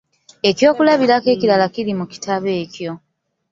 Eky'okulabirako ekirala kiri mu kitabo ekyo.